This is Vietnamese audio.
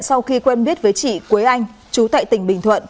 sau khi quen biết với chị quế anh chú tại tỉnh bình thuận